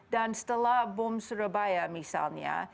dan setelah bom surabaya misalnya